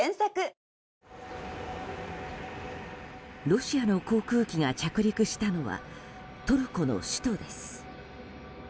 ロシアの航空機が着陸したのはトルコの首都です。